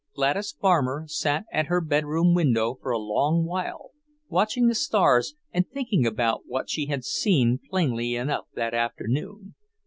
Gladys Farmer sat at her bedroom window for a long while, watching the stars and thinking about what she had seen plainly enough that afternoon.